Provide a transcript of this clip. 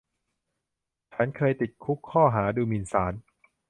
ฉันเคยติดคุกข้อหาดูหมิ่นศาล